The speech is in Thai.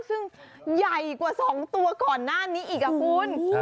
ซึ่งใหญ่กว่า๒ตัวก่อนหน้านี้อีกอ่ะคุณ